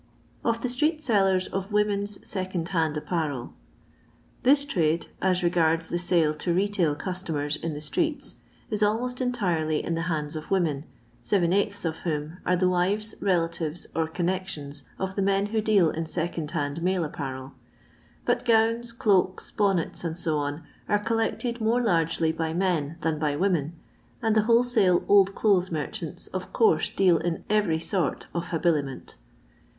Or THE Stbket Sellkrs of 'Womeii*s SeC05Z> UAKD Apparel. This trado, as regards the sale to retail cus tomers in the streets, is almost entirely in the hands of women, seven eighths of whom are the wives, relatives, or connections of the men who deal in secondhand male apparel. But gowns, cloaks, bonnets, &c., are collected more largely by men than by women, and the wholesale old clothes' merchants of course deal in every sort of habiliment.